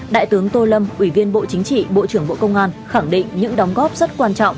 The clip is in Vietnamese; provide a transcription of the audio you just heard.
đại tướng tô lâm ủy viên bộ chính trị bộ trưởng bộ công an khẳng định những đóng góp rất quan trọng